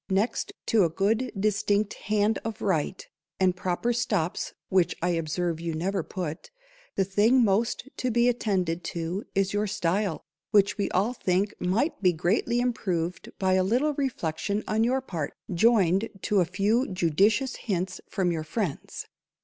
_ Next to a good distinct hand of write, and proper stops (which I observe you never put), the thing most to be attended to is your style, which we all think might be greatly improved by a _little _reflection on your part, joined to a few judicious hints from your friends.